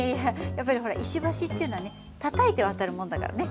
やっぱりほら石橋っていうのはねたたいて渡るもんだからね。